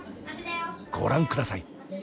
ご覧ください。